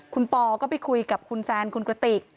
คุณปอก็ไปคุยกับคุณแซนคุณกระติก